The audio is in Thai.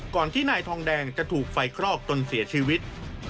ที่นายทองแดงจะถูกไฟคลอกจนเสียชีวิต